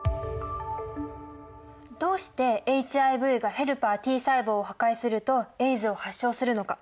どうしてＨＩＶがヘルパーＴ細胞を破壊するとＡＩＤＳを発症するのか？